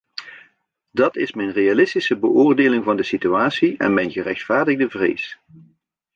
Dat is mijn realistische beoordeling van de situatie en mijn gerechtvaardigde vrees.